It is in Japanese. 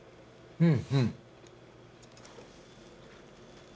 うん。